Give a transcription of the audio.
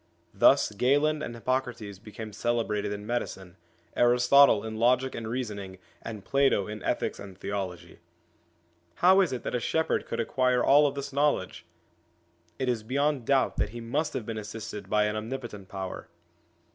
Thus Galen and Hippocrates became celebrated in medicine, Aristotle in logic and reasoning, and Plato in ethics and theology. How is it that a shepherd could acquire all of this knowledge? It is beyond doubt that he must have been assisted by an omnipotent power.